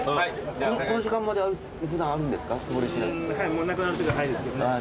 もうなくなってたら早いですけどね。